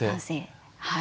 はい。